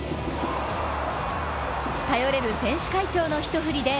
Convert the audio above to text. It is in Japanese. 頼れる選手会長の一振りで